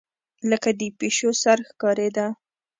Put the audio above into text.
لکه د پيشو سر ښکارېدۀ